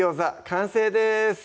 完成です